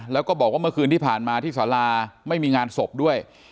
แล้วก็บอกว่าเมื่อคืนที่ผ่านมาที่สาราไม่มีงานศพด้วย